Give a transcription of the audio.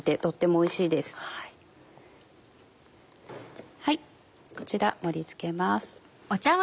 はいこちら盛り付けます。